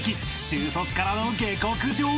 ［中卒からの下克上］